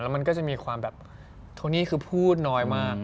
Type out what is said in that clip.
มันก็จะมีความแบบโทนี่คือพูดน้อยมาก